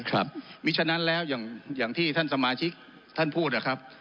ครับมีฉะนั้นแล้วอย่างที่ท่านสมาชิกท่านพูดนะครับ